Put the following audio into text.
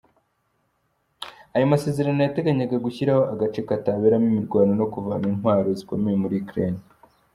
Ayo masezerano yateganyaga gushyiraho agace kataberamo imirwano no kuvana iintwaro zikomeye muri Ukraine.